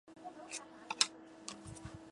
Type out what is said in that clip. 本站为地下岛式站台车站。